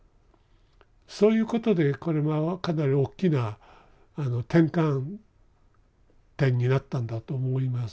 そういうことでこれはかなり大きな転換点になったんだと思います。